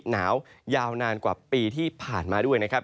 หนาวยาวนานกว่าปีที่ผ่านมาด้วยนะครับ